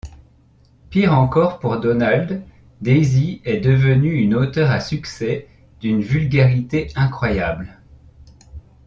Pire encore pour Donald, Daisy est devenue une auteure à succès d'une vulgarité incroyable.